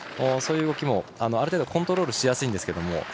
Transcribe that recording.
そういう動きも、ある程度コントロールしやすいんですが。